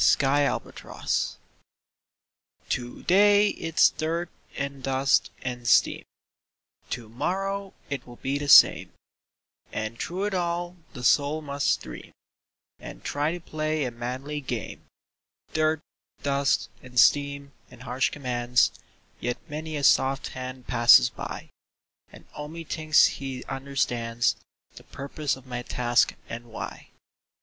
THE WORKMAN'S DREAM To day it's dirt and dust and steam, To morrow it will be the same, And through it all the soul must dream And try to play a manly game; Dirt, dust and steam and harsh commands, Yet many a soft hand passes by And only thinks he understands The purpose of my task and why.